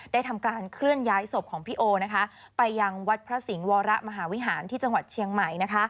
ทำการเคลื่อนย้ายศพของพี่โอไปยังวัดพระสิงห์วรมหาวิหารที่จังหวัดเชียงใหม่